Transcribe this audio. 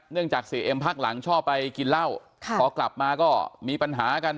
จากเสียเอ็มพักหลังชอบไปกินเหล้าพอกลับมาก็มีปัญหากัน